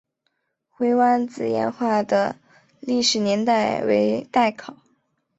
灰湾子岩画的历史年代为待考。